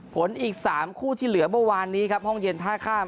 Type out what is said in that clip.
ผลอีก๓คู่ที่เหลือเมื่อวานนี้ครับห้องเย็นท่าข้าม